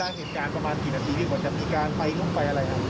เฦี๋ยวเวลาเหตุการณ์ประมาณกี่นาทีวิ่งวันจะมีการพเย็นหลุมไฟอะไร